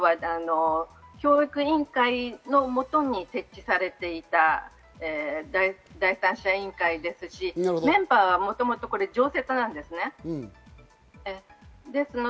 多分、今までのは教育委員会の元に設置されていた第三者委員会ですし、メンバーはもともと常設なんですね。